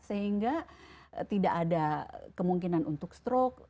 sehingga tidak ada kemungkinan untuk stroke